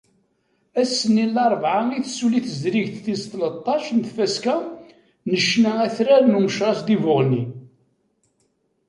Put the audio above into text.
Ass-nni n larebɛa i tessuli tezrigt tis tleṭṭac n tfaska n ccna atrar n Umecras di Buɣni.